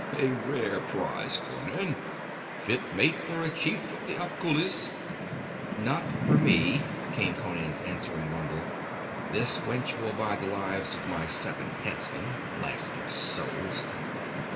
'A rare prize, Conan; fit mate for a chief of the Afghulis.' 'Not for me,' came Conan's answering rumble. 'This wench will buy the lives of my seven headmen, blast their souls.'